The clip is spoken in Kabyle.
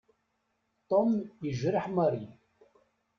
Tom yejreḥ Mary.